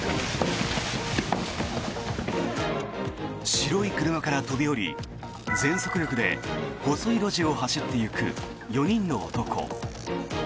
白い車から飛び降り全速力で細い路地を走っていく４人の男。